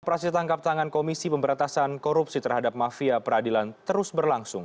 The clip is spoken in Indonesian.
operasi tangkap tangan komisi pemberantasan korupsi terhadap mafia peradilan terus berlangsung